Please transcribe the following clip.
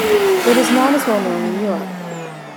It is not as well known in Europe.